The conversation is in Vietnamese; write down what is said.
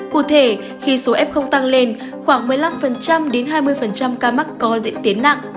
cụ thể khi số f tăng lên khoảng một mươi năm đến hai mươi ca mắc có diễn tiến nặng